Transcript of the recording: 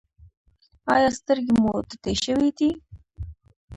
ایا سترګې مو تتې شوې دي؟